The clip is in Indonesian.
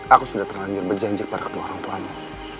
aku sudah terlanjur berjanji kepada kedua orangtuanya